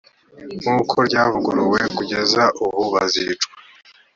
nk uko ryavuguruwe kugeza ubu bazicwa